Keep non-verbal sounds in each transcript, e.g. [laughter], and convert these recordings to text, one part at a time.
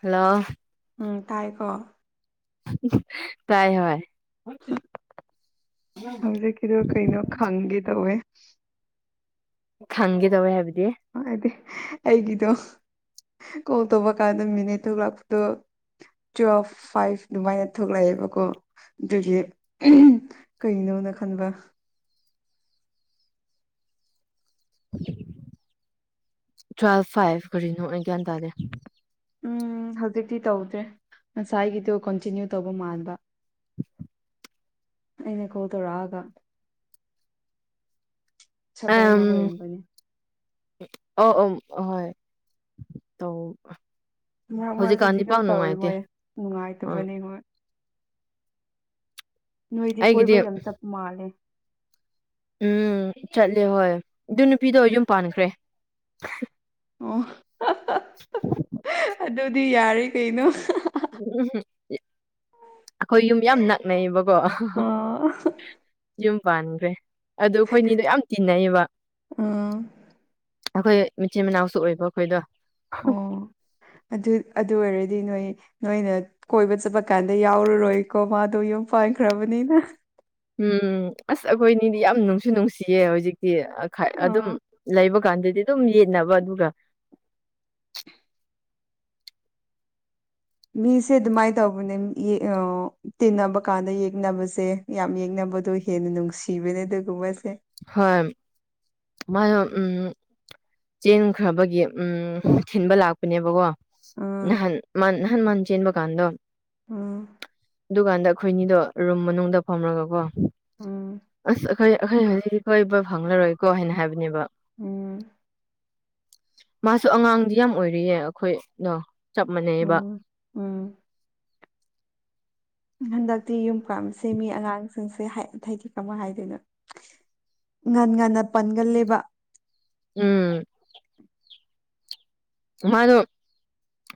hello ꯎꯝ ꯇꯥꯏꯀꯣ ꯇꯥꯏ ꯍꯣꯏ ꯍꯧꯖꯤꯛꯀꯤꯗꯣ ꯀꯩꯅꯣ ꯈꯪꯒꯦ ꯇꯧꯋꯦ ꯈꯪꯒꯦ ꯇꯧꯋꯦ ꯍꯥꯏꯕꯗꯤ ꯑꯥ ꯗꯤ ꯑꯩꯒꯤꯗꯣ ꯀꯣꯜ ꯇꯧꯕ ꯀꯥꯟꯗ ꯃꯤꯅꯤꯠ ꯊꯣꯛ ꯂꯥꯛꯄꯗꯣ ꯇꯨꯋꯦꯜꯐ ꯐꯥꯏꯚ ꯑꯗꯨꯃꯥꯏꯅ ꯊꯣꯛꯂꯛꯑꯦꯕꯀꯣ ꯗꯨꯒꯤ ꯎꯨꯝ ꯀꯩꯅꯣꯅ ꯈꯟꯕ ꯇ꯭ꯋꯦꯜ ꯐꯥꯏꯚ ꯀꯔꯤꯅꯣ ꯑꯩ ꯒ꯭ꯌꯥꯟ ꯇꯥꯗꯦ ꯎꯝ ꯍꯧꯖꯤꯛꯇꯤ ꯇꯧꯗ꯭ꯔꯦ ꯉꯁꯥꯏꯒꯤꯗꯣ ꯀꯣꯟꯇꯤꯅ꯭ꯌꯨ ꯇꯧꯕ ꯃꯥꯟꯕ ꯑꯩꯅ ꯀꯣꯜ ꯇꯧꯔꯛꯑꯒ ꯁꯕ꯭ꯔꯅ ꯑꯝ ꯑꯣꯏꯔꯝꯒꯅꯤ ꯑꯣ ꯎꯝ ꯍꯣꯏ ꯇꯧ ꯃꯔꯛ ꯍꯧꯖꯤꯛꯀꯥꯟꯗꯤ ꯃꯔꯛꯇꯗꯤ ꯄꯥꯛ ꯗꯨꯝ ꯇꯧꯔꯤ ꯅꯨꯡꯉꯥꯏꯇꯦ ꯃꯣꯏ ꯑꯥ ꯅꯨꯡꯉꯥꯏꯇꯕꯅꯦ ꯍꯣꯏ ꯅꯣꯏꯗꯤ ꯑꯩꯒꯤꯗꯤ ꯀꯣꯏꯕ ꯌꯥꯝ ꯆꯞꯄ ꯃꯥꯜꯂꯦ ꯎꯝ ꯆꯠꯂꯦ ꯍꯣꯏ ꯑꯗꯨ ꯅꯨꯄꯤꯗꯣ ꯌꯨꯝ ꯄꯥꯟꯈ꯭ꯔꯦ ꯑꯣ [unintelligible] [inaudible] ꯑꯗꯨꯗꯤ ꯌꯥꯔꯤ ꯀꯩꯅꯣ [inaudible] ꯑꯩꯈꯣꯏ ꯌꯨꯝ ꯌꯥꯝ ꯅꯛꯅꯩꯌꯦꯕꯀꯣ ꯑꯣ ꯌꯨꯝ ꯄꯥꯟꯈ꯭ꯔꯦ ꯑꯗꯣ ꯑꯩꯈꯣꯏꯅꯤꯗꯣ ꯌꯥꯝ ꯇꯤꯟꯅꯩꯌꯦꯕ ꯑꯥ ꯑꯩꯈꯣꯏ ꯃꯆꯤꯟ ꯃꯅꯥꯎꯁꯨ ꯑꯣꯏꯕ ꯑꯩꯈꯣꯏꯗꯣ ꯑꯣ ꯑꯗꯨ ꯑꯗꯨ ꯑꯣꯏꯔꯗꯤ ꯅꯣꯏ ꯅꯣꯏꯅ ꯀꯣꯏꯕ ꯆꯠꯄ ꯀꯥꯟꯗ ꯌꯥꯎꯔꯔꯣꯏꯀꯣ ꯃꯥꯗꯣ ꯌꯨꯝ ꯄꯥꯟꯈ꯭ꯔꯕꯅꯤꯅ ꯎꯝ ꯑꯁ ꯑꯩꯈꯣꯏꯅꯤꯗꯤ ꯌꯥꯝ ꯅꯨꯡꯁꯨ ꯅꯨꯡꯁꯤꯌꯦ ꯍꯧꯖꯤꯛꯇꯤ ꯈꯥ ꯑꯗꯨꯝ ꯑ ꯂꯩꯕ ꯀꯥꯟꯗꯗꯤ ꯑꯗꯨꯝ ꯌꯦꯠꯅꯕ ꯑꯗꯨꯒ ꯃꯤꯁꯦ ꯑꯗꯨꯃꯥꯏ ꯇꯧꯕꯅꯦ ꯌꯦ ꯑꯥ ꯇꯤꯟꯅꯕ ꯀꯥꯟꯗ ꯌꯦꯛꯅꯕꯁꯦ ꯌꯥꯝ ꯌꯦꯡꯅꯕꯗꯣ ꯍꯦꯟꯅ ꯅꯨꯡꯁꯤꯕꯅꯦ ꯑꯗꯨꯒꯨꯝꯕꯁꯦ ꯍꯣꯏ ꯃꯥꯥꯗꯣ ꯎꯝ ꯆꯦꯟꯈ꯭ꯔꯕꯒꯤ ꯎꯝ ꯊꯤꯟꯕ ꯂꯥꯛꯄꯅꯦꯕꯀꯣ ꯎꯝ ꯅꯍꯥꯟ ꯃꯟ ꯅꯍꯥꯟ ꯃꯅꯥ ꯆꯦꯟꯕ ꯀꯥꯟꯗꯣ ꯎꯝ ꯑꯗꯨꯀꯥꯟꯗ ꯑꯩꯈꯣꯏꯅꯤꯗꯣ ꯔꯨꯝ ꯃꯅꯨꯡꯗ ꯐꯝꯔꯒꯀꯣ ꯎꯝ ꯑꯁ ꯈꯣꯏ ꯑꯩꯈꯣꯏ ꯍꯥꯏꯁꯤꯗꯤ ꯀꯣꯏꯕ ꯐꯪꯂꯔꯣꯏꯀꯣ ꯍꯥꯏꯅ ꯍꯥꯏꯕꯅꯦꯕ ꯎꯝ ꯃꯥꯁꯨ ꯑꯉꯥꯡꯗꯤ ꯌꯥꯝ ꯑꯣꯏꯔꯤꯌꯦ ꯑꯩꯈꯣꯏꯗꯣ ꯆꯞ ꯃꯅꯩꯌꯦꯕ ꯎꯝ ꯎꯝ ꯍꯟꯗꯛꯇꯤ ꯌꯨꯝ ꯄꯥꯝꯕꯁꯦ ꯃꯤ ꯑꯉꯥꯡꯁꯤꯡꯁꯦ ꯍꯥꯏ ꯍꯥꯏꯗꯤ ꯀꯃꯥꯏ ꯍꯥꯏꯗꯣꯏꯅꯣ ꯉꯟ ꯉꯟꯅ ꯄꯟꯒꯜꯂꯦꯕ ꯎꯝ ꯃꯥꯗꯣ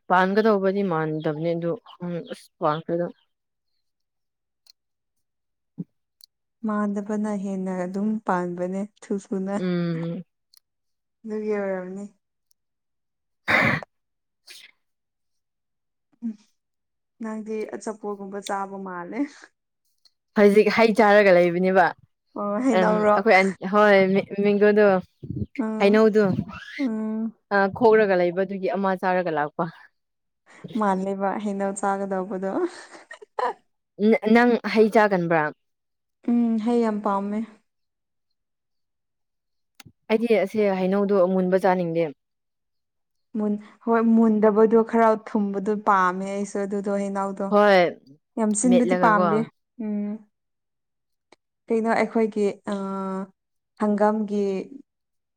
ꯄꯥꯟꯒꯗꯧꯕꯗꯤ ꯃꯥꯟꯗꯕꯅꯦ ꯑꯗꯨ ꯑꯁ ꯄꯥꯟꯈ꯭ꯔꯦꯗ ꯃꯥꯟꯗꯕꯅ ꯍꯦꯟꯅ ꯑꯗꯨꯝ ꯄꯥꯟꯕꯅꯦ ꯊꯨ ꯊꯨꯅ ꯎꯝ ꯑꯗꯨꯒꯤ ꯑꯣꯏꯔꯝꯅꯤ [inaudible] [unintelligible] ꯅꯪꯗꯤ ꯑꯆꯥꯄꯣꯠꯒꯨꯝꯕ ꯆꯥꯕ ꯃꯥꯜꯂꯦ ꯍꯧꯖꯤꯛ ꯍꯩ ꯆꯥꯔꯒ ꯂꯩꯕꯅꯦꯕ ꯑꯣ ꯑꯝ ꯍꯩꯅꯧꯔꯣ ꯑꯩꯈꯣꯏ ꯑꯟ ꯍꯣꯏ ꯃꯦ ꯃꯦꯡꯒꯣꯗꯣ ꯎꯝ ꯍꯩꯅꯧꯗꯨ ꯎꯝ ꯑꯥ ꯈꯣꯛꯔꯒ ꯂꯩꯕ ꯗꯨꯒꯤ ꯑꯃꯥ ꯆꯥꯔꯒ ꯂꯥꯛꯄ ꯃꯥꯜꯂꯦꯕ ꯍꯩꯅꯧ ꯆꯥꯒꯗꯧꯕꯗꯣ ꯅꯥ ꯅꯪ ꯍꯩ ꯆꯥꯒꯟꯕ꯭ꯔꯥ ꯎꯝ ꯍꯩ ꯌꯥꯝ ꯄꯥꯝꯃꯦ ꯑꯩꯗꯤ ꯑꯁꯦ ꯍꯩꯅꯧꯗꯣ ꯑꯃꯨꯟꯕ ꯆꯥꯅꯤꯡꯗꯦ ꯃꯨꯟ ꯍꯣꯏ ꯃꯨꯟꯗꯕꯗꯣ ꯈꯔ ꯊꯨꯝꯕꯗꯣ ꯄꯥꯝꯃꯦ ꯑꯩꯁꯨ ꯑꯗꯨꯗꯣ ꯍꯩꯅꯥꯎꯗꯣ ꯍꯣꯏ ꯌꯥꯝ ꯁꯤꯟꯕꯗꯤ ꯃꯦꯠꯂꯒꯀꯣ ꯄꯥꯝꯗꯦ ꯎꯝ ꯀꯩꯅꯣ ꯑꯩꯈꯣꯏꯒꯤ ꯑꯥ ꯍꯪꯒꯥꯝꯒꯤ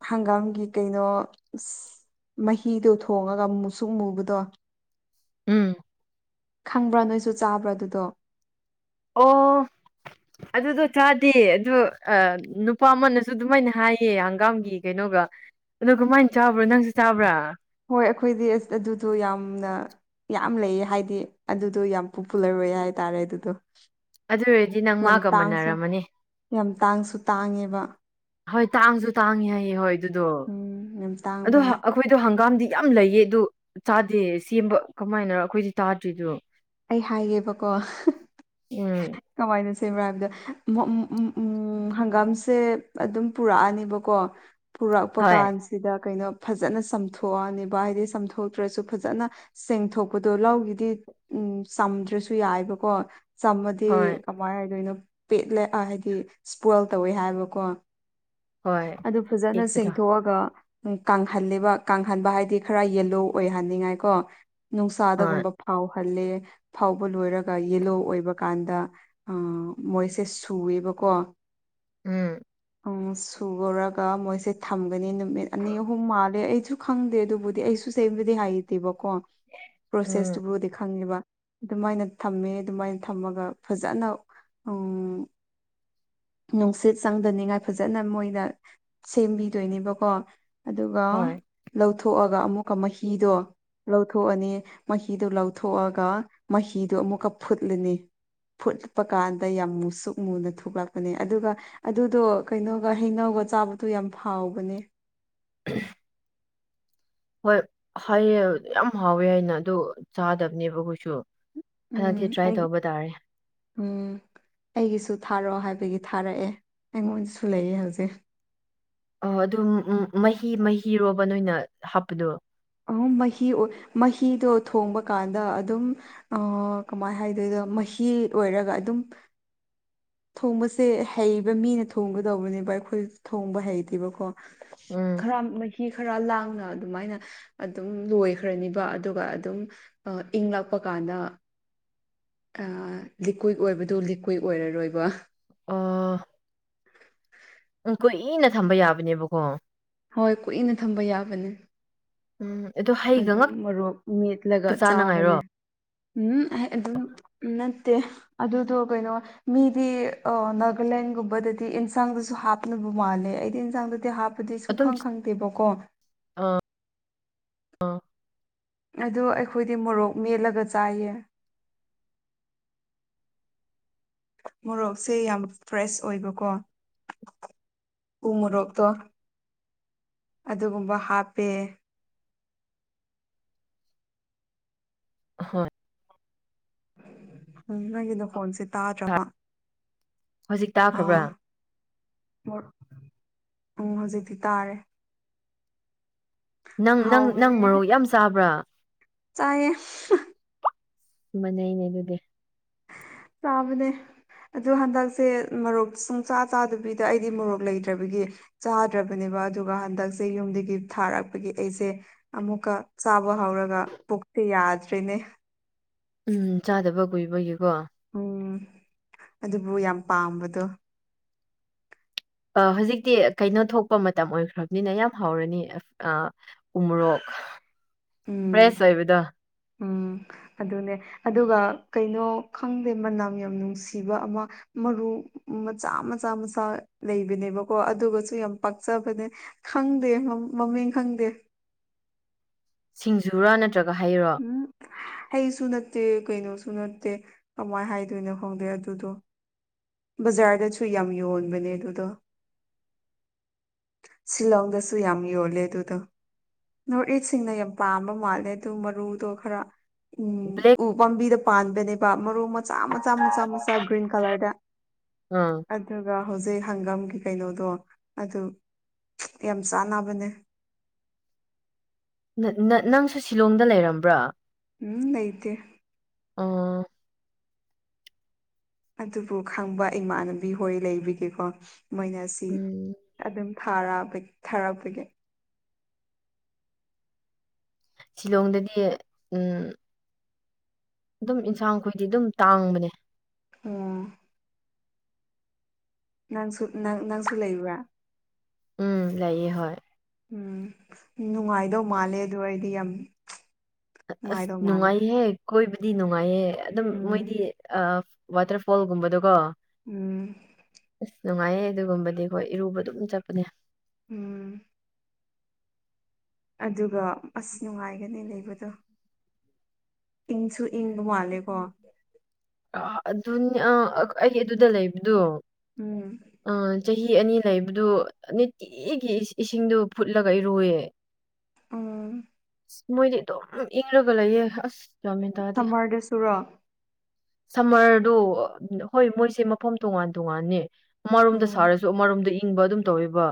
ꯍꯪꯒꯥꯝꯒꯤ ꯀꯩꯅꯣ [unintelligible] ꯃꯍꯤꯗꯣ ꯊꯣꯡꯉꯒ ꯃꯨꯁꯨꯛ ꯃꯨꯕꯗꯣ ꯎꯝ ꯈꯪꯕ꯭ꯔꯥ ꯅꯣꯏꯁꯨ ꯆꯕ꯭ꯔꯥ ꯑꯗꯨꯗꯣ ꯑꯣ ꯑꯗꯨꯗꯣ ꯆꯥꯗꯦ ꯑꯗꯨ ꯑꯥ ꯅꯨꯄꯥ ꯑꯃꯅꯁꯨ ꯑꯗꯨꯃꯥꯏꯅ ꯍꯥꯏꯌꯦ ꯍꯪꯒꯥꯝꯒꯤ ꯀꯩꯅꯣꯒ ꯑꯗꯣ ꯀꯃꯥꯏꯅ ꯆꯥꯕ꯭ꯔꯣ ꯅꯪꯁꯨ ꯆꯥꯕ꯭ꯔꯥ ꯍꯣꯏ ꯑꯩꯈꯣꯏꯗꯤ ꯑꯁ ꯑꯗꯨꯗꯣ ꯌꯥꯝꯅ ꯌꯥꯝ ꯂꯩꯌꯦ ꯍꯥꯏꯗꯤ ꯑꯗꯨꯗꯣ ꯌꯥꯝ ꯄꯣꯄꯨꯂꯔ ꯑꯣꯏ ꯍꯥꯏꯇꯥꯔꯦ ꯑꯗꯨꯗꯣ ꯑꯗꯨ ꯑꯣꯏꯔꯗꯤ ꯅꯪ ꯌꯥꯝ ꯃꯥꯒ ꯇꯥꯡꯁꯨ ꯃꯟꯅꯔꯝꯃꯅꯤ ꯌꯥꯝ ꯇꯥꯡꯁꯨ ꯇꯥꯡꯉꯦꯕ ꯍꯣꯏ ꯇꯥꯡꯁꯨ ꯇꯥꯡꯉꯤ ꯍꯥꯏꯌꯦꯦ ꯍꯣꯏ ꯑꯗꯨꯗꯣ ꯎꯝ ꯌꯥꯝ ꯑꯗꯨ ꯇꯥꯡꯕꯅꯦ [unintelligible] ꯈꯣꯏꯗꯣ ꯍꯪꯒꯥꯝꯗꯤ ꯌꯥꯝ ꯂꯩꯌꯦ ꯑꯗꯨ ꯆꯥꯗꯦ ꯁꯦꯝꯕ ꯀꯃꯥꯏꯅ ꯑꯩꯈꯣꯏꯗꯤ ꯇꯥꯗ꯭ꯔꯤꯗꯣ ꯑꯩ ꯍꯥꯏꯒꯦꯕꯀꯣ ꯎꯝ ꯀꯃꯥꯏꯅ ꯁꯦꯝꯕ꯭ꯔ ꯍꯥꯏꯕꯗ [unintelligible] ꯍꯪꯒꯥꯝꯁꯦ ꯑꯗꯨꯝ ꯄꯨꯔꯛꯑꯅꯦꯕꯀꯣ ꯄꯨꯔꯛꯄ ꯍꯣꯏ ꯀꯥꯟꯁꯤꯗ ꯀꯩꯅꯣ ꯐꯖꯅ ꯆꯝꯊꯣꯛꯑꯅꯤꯕ ꯍꯥꯏꯗꯤ ꯆꯝꯊꯣꯛꯇ꯭ꯔꯁꯨ ꯐꯖꯅ ꯁꯦꯡꯊꯣꯛꯄꯗꯣ ꯂꯥꯎꯒꯤꯗꯤ ꯎꯝ ꯆꯝꯗ꯭ꯔꯁꯨ ꯌꯥꯏꯕꯀꯣ ꯆꯝꯃ ꯍꯣꯏ [unintelligible] ꯀꯃꯥꯏ ꯍꯥꯏꯗꯣꯏꯅꯣ ꯄꯦꯠꯂꯦ ꯑꯥ ꯍꯥꯏꯗꯤ ꯁꯄꯣꯏꯜ ꯇꯧꯋꯦ ꯍꯥꯏꯕꯀꯣ ꯍꯣꯏ ꯑꯗꯨ ꯐꯖꯅ ꯇꯦꯛꯄꯗꯣ ꯁꯦꯡꯊꯣꯛꯑꯒ ꯎꯝ ꯀꯪꯍꯜꯂꯦꯕ ꯀꯪꯍꯟꯕ ꯍꯥꯏꯗꯤ ꯈꯔ ꯌꯦꯜꯂꯣ ꯑꯣꯏꯍꯟꯅꯤꯡꯉꯥꯏ ꯀꯣ ꯍꯣꯏ ꯅꯨꯡꯁꯥꯗꯒꯨꯝꯕ ꯐꯥꯎꯍꯜꯂꯦ ꯐꯥꯎꯕ ꯂꯣꯏꯔꯒ ꯌꯦꯂꯣ ꯑꯣꯏꯕ ꯀꯥꯟꯗ ꯑꯥ ꯃꯣꯏꯁꯦ ꯁꯨꯋꯦꯕꯀꯣ ꯎꯝ ꯎꯝ ꯁꯨꯨꯔꯒ ꯃꯣꯏꯁꯦ ꯊꯝꯒꯅꯤ ꯅꯨꯃꯤꯠ ꯑꯅꯤ ꯑꯍꯨꯝ ꯃꯥꯜꯂꯦ ꯑꯩꯗꯨ ꯈꯪꯗꯦ ꯑꯗꯨꯕꯨꯗꯤ ꯑꯩꯁꯨ ꯁꯦꯝꯕꯗꯤ ꯍꯥꯏꯇꯦꯕꯀꯣ ꯎꯝ ꯄ꯭ꯔꯣꯁꯦꯁꯇꯨꯕꯨꯗꯤ ꯈꯪꯉꯦꯕ ꯑꯗꯨꯃꯥꯏꯅ ꯊꯝꯃꯦ ꯑꯗꯨꯃꯥꯏꯅ ꯊꯝꯃꯒ ꯐꯖꯅ ꯎꯝ ꯅꯨꯡꯁꯤꯠ ꯆꯪꯗꯅꯤꯡꯉꯥꯏ ꯐꯖꯅ ꯃꯣꯏ ꯁꯦꯝꯕꯤꯗꯣꯏꯅꯦꯕꯀꯣ ꯑꯗꯨꯒ ꯍꯣꯏ ꯂꯧꯊꯣꯛꯑꯒ ꯑꯃꯨꯛꯀ ꯃꯍꯤꯗꯣ ꯂꯧꯊꯣꯛꯑꯅꯤ ꯃꯍꯤꯗꯣ ꯂꯧꯊꯣꯛꯑꯒ ꯃꯍꯤꯗꯣ ꯑꯃꯨꯛꯀ ꯐꯨꯠꯂꯅꯤ ꯐꯨꯠꯄ ꯀꯥꯟꯗ ꯌꯥꯝ ꯃꯨꯁꯨꯛ ꯃꯨꯅ ꯊꯣꯛꯂꯛꯄꯅꯦ ꯑꯗꯨꯒ ꯑꯗꯨꯗꯣ ꯀꯩꯅꯣꯒ ꯍꯩꯅꯧꯒ ꯆꯥꯕꯗꯨ ꯌꯥꯝ ꯍꯥꯎꯕꯅꯦ ꯎꯝ ꯍꯣꯏ ꯍꯥꯏꯌꯦ ꯌꯥꯝ ꯍꯥꯎꯋꯦ ꯍꯥꯏꯅ ꯑꯗꯨ ꯆꯥꯗꯕꯅꯦꯕ ꯑꯩꯈꯣꯏꯁꯨ ꯍꯟꯗꯛꯇꯤ ꯎꯝ ꯇ꯭ꯔꯥꯏ ꯑꯩ ꯇꯧꯕ ꯇꯥꯔꯦ ꯎꯝ ꯑꯩꯒꯤꯁꯨ ꯊꯥꯔꯛꯑꯣ ꯍꯥꯏꯕꯒꯤ ꯊꯥꯔꯛꯑꯦ ꯑꯩꯉꯣꯟꯗꯁꯨ ꯂꯩꯌꯦ ꯍꯧꯖꯤꯛ ꯑꯣ ꯑꯗꯨꯝ ꯃꯍꯤ ꯃꯍꯤꯔꯣꯕ ꯅꯣꯏꯅ ꯍꯥꯞꯄꯗꯣ ꯎꯝ ꯃꯍꯤ ꯑꯣꯏ ꯃꯍꯤꯗꯣ ꯊꯣꯡꯕ ꯀꯥꯟꯗ ꯑꯗꯨꯝ ꯑꯥ ꯀꯃꯥꯏꯅ ꯍꯥꯏꯗꯣꯏꯗꯣ ꯃꯍꯤ ꯑꯣꯏꯔꯒ ꯑꯗꯨꯝ ꯊꯣꯡꯕꯁꯦ ꯍꯩꯕ ꯃꯤꯅ ꯊꯣꯡꯒꯗꯧꯕꯅꯦꯕ ꯑꯩꯈꯣꯏ ꯊꯣꯡꯕ ꯍꯩꯇꯦꯕꯀꯣ ꯎꯝ ꯈꯔ ꯃꯍꯤ ꯈꯔ ꯂꯥꯡꯅ ꯑꯗꯨꯃꯥꯏꯅ ꯑꯗꯨꯝ ꯂꯣꯏꯈ꯭ꯔꯅꯤꯕ ꯑꯗꯨꯒ ꯑꯗꯨꯝ ꯏꯪꯂꯛꯄ ꯀꯥꯟꯗ ꯂꯤꯀ꯭ꯋꯤꯠ ꯑꯣꯏꯕꯗꯨ ꯂꯤꯀ꯭ꯋꯏ ꯑꯣꯏꯔꯔꯣꯏꯕ ꯑꯥ ꯎꯝ ꯀꯨꯏꯅ ꯊꯝꯕ ꯌꯥꯕꯅꯦꯕꯀꯣ ꯍꯣꯏ ꯀꯨꯏꯅ ꯊꯝꯕ ꯌꯥꯕꯅꯦ ꯎꯝ ꯑꯗꯣ ꯍꯩꯒ ꯑꯗꯨꯝ ꯉꯛꯇ ꯃꯣꯔꯣꯛ ꯃꯦꯠꯂꯒ ꯆꯥꯕꯅꯦ ꯆꯥꯅꯉꯥꯏꯔꯣ ꯎꯝ ꯑꯩ ꯑꯗꯨꯝ ꯎꯝ ꯅꯠꯇꯦ ꯑꯗꯨꯗꯣ ꯀꯩꯅꯣ ꯃꯤꯗꯤ ꯑꯥ ꯅꯥꯒꯥꯂꯦꯟꯒꯨꯝꯕꯗꯗꯤ ꯏꯟꯁꯥꯡꯗꯁꯨ ꯍꯥꯞꯅꯕ ꯃꯥꯜꯂꯦ ꯑꯩꯗꯤ ꯏꯟꯁꯥꯡꯗꯗꯤ ꯍꯥꯞꯇꯦ ꯑꯗꯨꯗꯤ ꯁꯨꯡꯈꯪ ꯈꯪꯗꯦꯕꯀꯣ ꯑꯥ ꯑꯥ ꯑꯗꯣ ꯑꯩꯈꯣꯏꯗꯤ ꯃꯣꯔꯣꯛ ꯃꯦꯠꯂꯒ ꯆꯥꯏꯌꯦ ꯃꯣꯔꯣꯛꯁꯦ ꯌꯥꯝ ꯐ꯭ꯔꯦꯁ ꯑꯣꯏꯕꯀꯣ ꯎ ꯃꯣꯔꯣꯛꯇꯣ ꯑꯗꯨꯒꯨꯝꯕ ꯍꯥꯞꯄꯦ ꯍꯣꯏ ꯎꯝ ꯅꯪꯒꯤ ꯅꯈꯣꯟꯁꯦ ꯇꯥꯗ꯭ꯔꯕꯥ ꯍꯧꯖꯤꯛ ꯇꯥꯈ꯭ꯔꯕ꯭ꯔꯥ ꯑꯥ ꯎꯝ ꯍꯧꯖꯤꯛꯇꯤ ꯇꯥꯔꯦ ꯅꯪ ꯅꯪ ꯅꯪ ꯍꯥꯎꯕꯅꯦ ꯃꯣꯔꯣꯛ ꯌꯥꯝ ꯆꯥꯕ꯭ꯔꯥ ꯆꯥꯏꯌꯦ ꯃꯥꯅꯩꯅꯦ ꯑꯗꯨꯗꯤ ꯆꯥꯕꯅꯦ ꯑꯗꯣ ꯍꯟꯗꯛꯁꯦ ꯃꯣꯔꯣꯛ ꯁꯨꯡꯆꯥꯥ ꯆꯥꯗꯕꯤꯗ ꯑꯩꯗꯤ ꯃꯣꯔꯣꯛ ꯂꯩꯇ꯭ꯔꯕꯒꯤ ꯆꯥꯗ꯭ꯔꯕꯅꯦꯕ ꯑꯗꯨꯒ ꯍꯟꯗꯛꯁꯦ ꯌꯨꯝꯗꯒꯤ ꯊꯥꯔꯛꯄꯒꯤ ꯑꯩꯁꯦ ꯑꯃꯨꯛꯀ ꯆꯥꯕ ꯍꯧꯔꯒ ꯄꯨꯛꯇꯤ ꯌꯥꯗ꯭ꯔꯤꯅꯦ ꯎꯝ ꯆꯥꯗꯕ ꯀꯨꯏꯕꯒꯤꯀꯣ ꯎꯝ ꯑꯗꯨꯕꯨ ꯌꯥꯝ ꯄꯥꯝꯕꯗꯣ ꯑꯥ ꯍꯧꯖꯤꯛꯇꯤ ꯀꯩꯅꯣ ꯊꯣꯛꯄ ꯃꯇꯝ ꯑꯣꯏꯈ꯭ꯔꯕꯅꯤꯅ ꯌꯥꯝ ꯍꯥꯎꯔꯅꯤ ꯑꯥ ꯎꯣꯃꯔꯣꯛ ꯐ꯭ꯔꯦꯁ ꯎꯝ ꯑꯣꯏꯕꯗꯣ ꯎꯝ ꯑꯗꯨꯅꯦ ꯑꯗꯨꯒ ꯀꯩꯅꯣ ꯈꯪꯗꯦ ꯃꯅꯝ ꯌꯥꯝ ꯅꯨꯡꯁꯤꯕ ꯑꯃ ꯃꯔꯨ ꯃꯆꯥ ꯃꯆꯥ ꯃꯆꯥ ꯂꯩꯕꯅꯦꯕꯀꯣ ꯑꯗꯨꯒꯁꯨ ꯌꯥꯝ ꯄꯛꯆꯕꯅꯦ ꯈꯪꯗꯦ ꯃꯃꯤꯡ ꯈꯪꯗꯦ ꯁꯤꯡꯖꯨꯔꯥ ꯅꯠꯇ꯭ꯔꯒ ꯍꯩꯔꯥ ꯎꯝ ꯍꯩꯁꯨ ꯅꯠꯇꯦ ꯀꯩꯅꯣꯁꯨ ꯅꯠꯇꯦ ꯀꯃꯥꯏꯅ ꯍꯥꯏꯗꯣꯏꯅꯣ ꯈꯪꯗꯦ ꯑꯗꯨꯗꯣ ꯕꯖꯥꯔꯗꯁꯨ ꯌꯥꯝ ꯌꯣꯟꯕꯅꯦ ꯑꯗꯨꯗꯣ ꯁꯤꯂꯣꯡꯗꯁꯨ ꯌꯥꯝ ꯌꯣꯜꯂꯦ ꯑꯗꯨꯗꯣ ꯅꯣꯔꯠ ꯏꯁꯁꯤꯡꯅ ꯌꯥꯝ ꯄꯥꯝꯕ ꯃꯥꯜꯂꯦ ꯑꯗꯨ ꯃꯔꯨꯗꯣ ꯈꯔ ꯎꯝ ꯕ꯭ꯂꯦꯛ ꯎ ꯄꯥꯝꯕꯤꯗ ꯄꯥꯟꯕꯅꯦꯕ ꯃꯔꯨ ꯃꯆꯥ ꯃꯆꯥ ꯃꯆꯥ ꯃꯆꯥ ꯒ꯭ꯔꯤꯟ ꯀꯂꯔꯗ ꯎꯝ ꯑꯗꯨꯒ ꯍꯧꯖꯤꯛ ꯍꯪꯒꯥꯝꯒꯤ ꯀꯩꯅꯣꯗꯣ ꯑꯗꯨ ꯌꯥꯝ ꯆꯥꯟꯅꯕꯅꯦ ꯅꯪ ꯅꯪ ꯅꯪꯁꯨ ꯁꯤꯂꯣꯡꯗ ꯂꯩꯔꯝꯕ꯭ꯔꯥ ꯎꯝ ꯂꯩꯇꯦ ꯑꯥ ꯑꯗꯨꯕꯨ ꯈꯪꯕ ꯏꯃꯥꯟꯅꯕꯤ ꯍꯣꯏ ꯂꯩꯕꯤꯒꯤꯀꯣ ꯃꯣꯏꯅ ꯁꯤ ꯎꯝ ꯑꯗꯨꯝ ꯊꯥꯔ ꯊꯔꯛꯄꯒꯤ ꯁꯤꯂꯣꯡꯗꯗꯤ ꯎꯝ ꯑꯗꯨꯝ ꯏꯟꯁꯥꯡ ꯈꯣꯏꯗꯤ ꯑꯗꯨꯝ ꯇꯥꯡꯕꯅꯦ ꯑꯣ ꯅꯪꯁꯨ ꯅꯪꯁꯨ ꯂꯩꯕ꯭ꯔꯥ ꯎꯝ ꯂꯩꯌꯦ ꯍꯣꯏ ꯎꯝ ꯅꯨꯡꯉꯥꯏꯗꯧ ꯃꯥꯜꯂꯦ ꯑꯗꯨ ꯑꯩꯗꯤ ꯌꯥꯝ ꯑꯁ ꯅꯨꯡꯉꯥꯏꯗꯧ ꯃꯥꯜꯂꯦ ꯅꯨꯡꯉꯥꯏꯍꯦ ꯀꯣꯏꯕꯗꯤ ꯅꯨꯡꯉꯥꯏꯍꯦ ꯑꯗꯨꯝ ꯎꯝ ꯃꯣꯏꯗꯤ ꯑꯁ ꯑꯥ ꯋꯥꯇꯔꯐꯣꯜꯒꯨꯝꯕꯗꯣꯀꯣ ꯎꯝ ꯑꯁ ꯅꯨꯡꯉꯥꯏꯌꯦ ꯑꯗꯨꯒꯨꯝꯕꯗꯤ ꯑꯩꯈꯣꯏ ꯏꯔꯨꯕ ꯑꯗꯨꯝ ꯆꯠꯄꯅꯦ ꯎꯝ ꯑꯗꯨꯒ ꯑꯁ ꯅꯨꯡꯉꯥꯏꯒꯅꯤ ꯂꯩꯕꯗꯣ ꯏꯪꯁꯨ ꯏꯪꯕ ꯃꯥꯜꯂꯦꯀꯣ ꯑ ꯑꯗꯨꯅꯤ ꯑ ꯑꯩ ꯑꯗꯨꯗ ꯂꯩꯕꯗꯣ ꯎꯝ ꯑ ꯆꯍꯤ ꯑꯅꯤ ꯂꯩꯕꯗꯨ ꯅꯤꯠꯇꯤ ꯏꯒꯤ ꯏꯁ ꯏꯁꯤꯡꯗꯣ ꯐꯨꯠꯂꯒ ꯏꯔꯨꯋꯦ ꯎꯝ ꯃꯣꯏꯗꯤ ꯑꯗꯨꯝ ꯏꯪꯔꯒ ꯂꯩꯌꯦ ꯑꯁ ꯒ꯭ꯌꯥꯟ ꯃꯦꯟ ꯁꯝꯃ꯭ꯔꯗꯁꯨꯔꯣ ꯁꯝꯃ꯭ꯔꯗꯣ ꯍꯣꯏ ꯃꯣꯏꯁꯦ ꯃꯐꯝ ꯇꯣꯉꯥꯟ ꯇꯣꯉꯥꯟꯅꯦ ꯑꯃꯔꯣꯝꯗ ꯎꯝ ꯁꯥꯔꯁ ꯗꯣ ꯑꯃꯔꯣꯝꯗ ꯏꯪꯕ ꯑꯗꯨꯝ ꯇꯧꯋꯦꯕ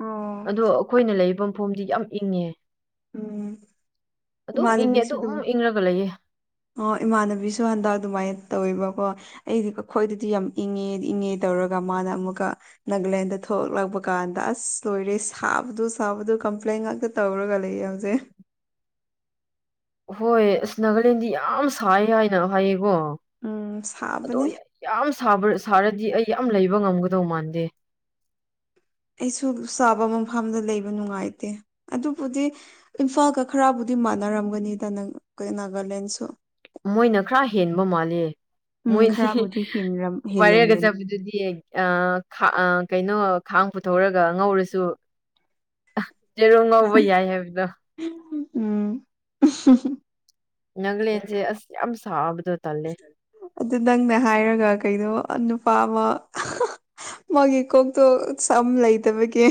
ꯑꯣ ꯑꯗꯣ ꯑꯩꯈꯣꯏꯅ ꯂꯩꯔꯤꯕ ꯃꯐꯝꯗꯤ ꯌꯥꯝ ꯏꯪꯉꯦ ꯎꯝ ꯑꯗꯨꯝ ꯏꯪꯉꯦ ꯑꯗꯨꯝ ꯏꯪꯪꯔꯒ ꯂꯩꯌꯦ ꯑꯣ ꯏꯃꯥꯟꯅꯕꯤꯁꯨ ꯍꯟꯗꯛ ꯑꯗꯨꯃꯥꯏ ꯇꯧꯋꯦꯕꯀꯣ ꯑꯩꯗꯤꯀꯣ ꯑꯩꯈꯣꯏꯗꯗꯤ ꯌꯥꯝ ꯏꯪꯉꯦ ꯏꯪꯉꯦ ꯇꯧꯔꯒ ꯃꯥꯅ ꯑꯃꯨꯛꯀ ꯅꯥꯒꯂꯦꯟꯗ ꯊꯣꯛꯂꯛꯄ ꯀꯥꯟꯗ ꯑꯁ ꯂꯣꯏꯔꯦ ꯁꯥꯕꯗꯨ ꯁꯥꯕꯗꯨ ꯀꯝꯄ꯭ꯂꯦꯟ ꯉꯥꯛꯇ ꯇꯧꯔꯒ ꯂꯩꯌꯧꯖꯦ ꯍꯣꯏ ꯑꯁ ꯅꯥꯒꯥꯂꯦꯟꯗꯤ ꯌꯥꯝ ꯁꯥꯏ ꯍꯥꯏꯅ ꯍꯥꯏꯌꯦꯀꯣ ꯎꯝ ꯑꯗꯣ ꯁꯥꯕꯅꯦ ꯌꯥꯝ ꯁꯥꯕ꯭ꯔ ꯁꯥꯔꯗꯤ ꯑꯩ ꯌꯥꯝ ꯂꯩꯕ ꯉꯝꯒꯗꯧ ꯃꯥꯟꯗꯦ ꯑꯩꯁꯨ ꯁꯥꯕ ꯃꯐꯝꯗ ꯂꯩꯕ ꯅꯨꯡꯉꯥꯏꯇꯦ ꯑꯗꯨꯕꯨꯗꯤ ꯏꯝꯐꯥꯜꯒ ꯈꯔꯕꯨꯗꯤ ꯃꯥꯟꯅꯔꯝꯒꯅꯤꯗ ꯅꯪ ꯀꯩ ꯅꯥꯒꯥꯂꯦꯟꯁꯨ ꯃꯣꯏꯅ ꯈꯔ ꯍꯦꯟꯕ ꯃꯥꯜꯂꯦ ꯎꯝ ꯃꯣꯏꯗꯤ ꯈꯔꯕꯨꯗꯤ ꯍꯦꯟꯔꯝ ꯕꯥꯏꯔꯦꯜꯒ ꯍꯦꯜꯂꯝꯒꯅꯤ ꯆꯠꯄꯗꯨꯗꯤ ꯑ ꯈꯥ ꯑ ꯀꯩꯅꯣ ꯈꯥꯡ ꯄꯨꯊꯣꯛꯔꯒ ꯉꯧꯔꯁꯨ ꯑ ꯌꯦꯔꯨꯝ ꯉꯧꯕ ꯌꯥꯏ ꯍꯥꯏꯕꯗꯣ ꯎꯝ [unintelligible] ꯅꯥꯒꯂꯦꯟꯁꯦ ꯑꯁ ꯌꯥꯝ ꯁꯥꯕꯗꯣ ꯇꯜꯂꯦ ꯑꯗꯨ ꯅꯪꯅ ꯍꯥꯏꯔꯒ ꯀꯩꯅꯣꯕ ꯅꯨꯄꯥ ꯑꯃ ꯃꯥꯒꯤ ꯀꯣꯛꯇꯣ ꯁꯝ ꯂꯩꯇꯕꯒꯤ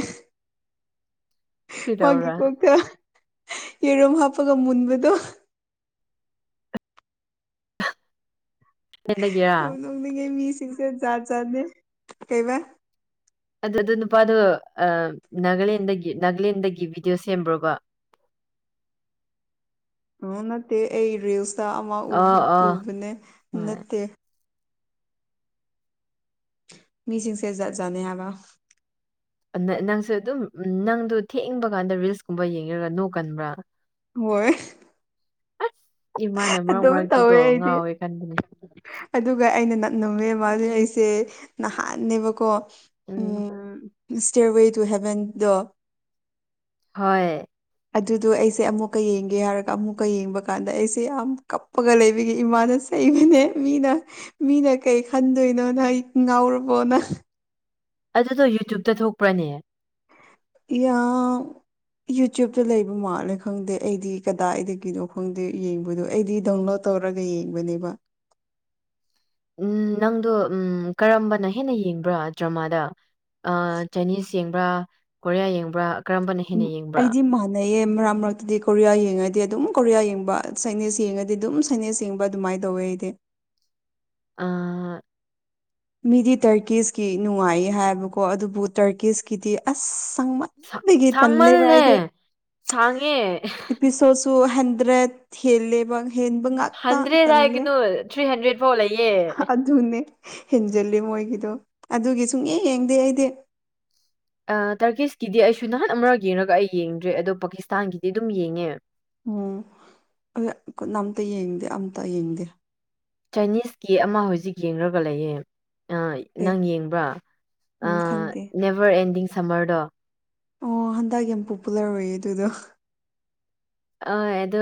ꯃꯥꯒꯤ ꯀꯩꯗꯧꯔꯥ ꯀꯣꯛꯇ ꯌꯦꯔꯨꯝ ꯍꯥꯞꯄꯒ ꯃꯨꯟꯕꯗꯣ ꯌꯥꯝ [unintelligible] ꯅꯣꯛꯅꯤꯡꯉꯦ ꯃꯤꯁꯤꯡꯁꯦ ꯖꯥꯠ ꯖꯥꯠꯅꯦ ꯀꯩꯕ ꯑꯗꯨꯗ ꯅꯨꯄꯥꯗꯣ ꯑꯝ ꯅꯥꯒꯥꯂꯦꯟꯗꯒꯤ ꯅꯥꯒꯥꯂꯦꯟꯗꯒꯤ ꯕꯤꯗꯤꯑꯣ ꯁꯦꯝꯕ꯭ꯔꯣꯕ ꯑꯣ ꯅꯠꯇꯦ ꯑꯩ ꯔꯤꯜꯁꯇ ꯑꯃꯥ ꯎꯕ ꯑꯣ ꯑꯣ ꯎꯕꯅꯦ ꯍꯣꯏ ꯅꯠꯇꯦ ꯃꯤꯁꯤꯡꯁꯦ ꯖꯥꯠ ꯖꯥꯠꯅꯦ ꯍꯥꯏꯕ ꯅꯥ ꯅꯪꯁꯨ ꯑꯗꯨꯝ ꯅꯪꯗꯣ ꯊꯦꯡꯕ ꯀꯥꯟꯗ ꯔꯤꯜꯁꯀꯨꯝꯕ ꯌꯦꯡꯏꯔ ꯅꯣꯛꯀꯟꯕ꯭ꯔꯥ ꯍꯣꯏ ꯑꯁ ꯏꯃꯥꯅ ꯃꯔꯛ ꯑꯗꯨꯝ ꯃꯔꯛꯇꯤꯀꯣ ꯇꯧꯋꯦ ꯑꯩꯗꯤ ꯉꯥꯎꯋꯦ ꯈꯟꯕꯅꯦ ꯑꯗꯨꯒ ꯑꯩꯅ ꯅꯛ ꯅꯨꯃꯦ ꯑꯃꯥꯜꯂꯦ ꯍꯥꯏꯁꯦ ꯅꯍꯥꯟꯅꯦꯕꯀꯣ ꯎꯝ ꯁ꯭ꯇꯦꯔꯋꯦ ꯇꯨ ꯍꯦꯕꯦꯟꯗꯣ ꯍꯣꯏ ꯑꯗꯨꯗꯣ ꯑꯩꯁꯦ ꯑꯃꯨꯛꯀ ꯌꯦꯡꯒꯦ ꯍꯥꯏꯔꯒ ꯑꯃꯨꯛꯀ ꯌꯦꯡꯕ ꯀꯥꯟꯗ ꯑꯩꯁꯦ ꯌꯥꯝ ꯀꯞꯄꯒ ꯂꯩꯕꯒꯤ ꯏꯃꯥꯅ ꯆꯩꯕꯅꯦ ꯃꯤꯅ ꯃꯤꯅ ꯀꯩ ꯈꯟꯗꯣꯏꯅꯣꯅ ꯍꯩꯠ ꯉꯥꯎꯔꯕꯣꯅ ꯑꯗꯨꯗꯣ ꯌꯨꯇ꯭ꯌꯨꯞꯇ ꯊꯣꯛꯄ꯭ꯔꯅꯦ ꯌꯥꯡ ꯌꯨꯇ꯭ꯌꯨꯞꯇ ꯂꯩꯕ ꯃꯥꯜꯂꯦ ꯈꯪꯗꯦ ꯑꯩꯗꯤ ꯀꯗꯥꯏꯗꯒꯤꯅꯣ ꯈꯪꯗꯦ ꯌꯦꯡꯕꯗꯣ ꯑꯩꯗꯤ ꯗꯥꯎꯟꯂꯣꯠ ꯇꯧꯔꯒ ꯌꯦꯡꯕꯅꯦꯕ ꯎꯝ ꯅꯪꯗꯣ ꯎꯝ ꯀꯔꯝꯕꯅ ꯍꯦꯟꯅ ꯌꯦꯡꯕ꯭ꯔꯥ ꯗ꯭ꯔꯃꯥꯗ ꯑꯥ ꯆꯥꯏꯅꯤꯁ ꯌꯦꯡꯕ꯭ꯔꯥ ꯀꯣꯔꯤꯌꯥ ꯌꯦꯡꯕ꯭ꯔꯥ ꯀꯔꯝꯕꯅ ꯎꯝ ꯍꯦꯟꯅ ꯌꯦꯡꯕ꯭ꯔꯥ ꯑꯩꯗꯤ ꯃꯥꯟ ꯅꯩꯌꯦ ꯃꯔꯛ ꯃꯔꯛꯇꯗꯤ ꯀꯣꯔꯤꯌꯥ ꯌꯦꯡꯉꯗꯤ ꯑꯗꯨꯝ ꯀꯣꯔꯤꯌꯥ ꯌꯦꯡꯕ ꯆꯥꯏꯅꯤꯁ ꯌꯦꯡꯉꯗꯤ ꯑꯗꯨꯝ ꯆꯥꯏꯅꯤꯁ ꯌꯦꯡꯕ ꯑꯗꯨꯃꯥꯏ ꯇꯧꯋꯦ ꯑꯩꯗꯤ ꯑꯥ ꯃꯤꯗꯤ ꯇ꯭ꯔꯀꯤꯁꯀꯤ ꯅꯨꯡꯉꯥꯏꯌꯦ ꯍꯥꯏꯕꯀꯣ ꯑꯗꯨꯕꯨ ꯇ꯭ꯔꯀꯤꯁꯀꯤꯗꯤ ꯑꯁ ꯁꯪꯃꯟ ꯁꯥꯡꯃꯜꯂꯦ ꯁꯥꯡꯉꯦ ꯄꯤꯁꯣꯠꯁꯨ ꯍꯟꯗ꯭ꯔꯦꯠ ꯍꯦꯜꯂꯦꯕ ꯍꯦꯟꯕ ꯉꯥꯛꯇ ꯍꯟꯗ꯭ꯔꯦꯗ ꯇꯜꯂꯦ ꯍꯥꯏꯒꯅꯨ ꯊ꯭ꯔꯤ ꯍꯟꯗ꯭ꯔꯦꯠ ꯐꯥꯎ ꯂꯩꯌꯦ ꯑꯗꯨꯒꯅꯦ ꯍꯦꯟꯖꯤꯜꯂꯦ ꯃꯣꯏꯒꯤꯗꯣ ꯑꯗꯨꯒꯤ ꯁꯨꯡꯌꯦꯡ ꯌꯦꯡꯗꯦ ꯑꯩꯗꯤ ꯑ ꯇꯔꯀꯤꯁꯀꯤꯗꯤ ꯑꯩꯁꯨ ꯅꯍꯥꯟ ꯑꯃꯔꯛ ꯌꯦꯡꯉꯒ ꯑꯩ ꯌꯦꯡꯗ꯭ꯔꯦ ꯑꯗꯣ ꯄꯥꯀꯤꯁꯇꯥꯟꯒꯤꯗꯤ ꯑꯗꯨꯝ ꯌꯦꯡꯉꯦ ꯎꯝ ꯑꯩꯗꯤ ꯀꯅꯥꯝꯇ ꯌꯦꯡꯗꯦ ꯑꯝꯇ ꯌꯦꯡꯗꯦ ꯆꯥꯏꯅꯤꯁ ꯀꯤ ꯑꯃ ꯍꯧꯖꯤꯛ ꯌꯦꯡꯂꯒ ꯂꯩꯌꯦ ꯑ ꯑꯦ ꯅꯪ ꯌꯦꯡꯕ꯭ꯔꯥ ꯎꯝ ꯑꯥ ꯈꯪꯗꯦ ꯅꯦꯚꯔ ꯑꯦꯟꯗꯤꯡ ꯁꯝꯃꯔꯗꯣ ꯑꯣ ꯍꯟꯗꯛ ꯌꯥꯝ ꯄꯣꯄꯨꯂꯔ ꯑꯣꯏꯌꯦ ꯑꯗꯨꯗꯣ ꯑꯣꯏ ꯑꯗꯣ